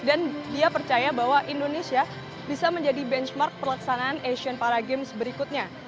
dan dia percaya bahwa indonesia bisa menjadi benchmark perlaksanaan asian paragames berikutnya